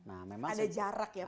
ada jarak ya pak